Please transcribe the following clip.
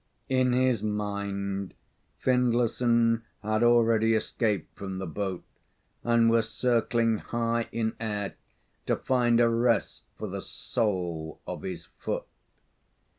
In his mind, Findlayson had already escaped from the boat, and was circling high in air to find a rest for the sole of his foot.